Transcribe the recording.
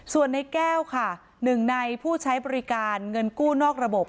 ส่วนในแก้วค่ะหนึ่งในผู้ใช้บริการเงินกู้นอกระบบ